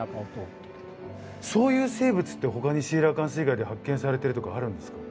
そういう生物ってほかにシーラカンス以外で発見されてるとかあるんですか？